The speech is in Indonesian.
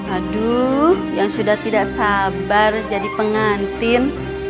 aduh yang sudah tidak sabar jadi pengantin